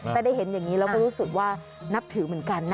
แต่ได้เห็นอย่างนี้แล้วก็รู้สึกว่านับถือเหมือนกันนะ